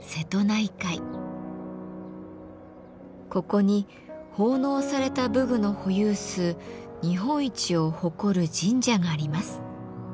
ここに奉納された武具の保有数日本一を誇る神社があります。